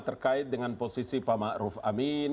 terkait dengan posisi pak ma'ruf al masih